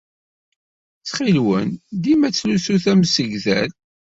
Ttxil-wen, dima ttlusut amsegdal.